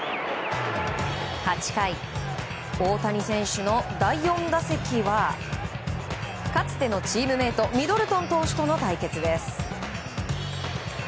８回、大谷選手の第４打席はかつてのチームメートミドルトン投手との対決です。